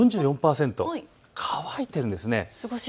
４４％、乾いてるんです。